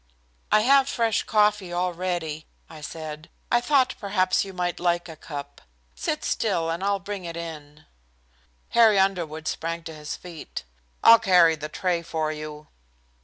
"I have fresh coffee all ready," I said. "I thought perhaps you might like a cup. Sit still, and I'll bring it in." Harry Underwood sprang to his feet. "I'll carry the tray for you."